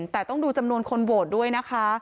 แต่ต้องดูจำนวนคนโหวตด้วยนะคะ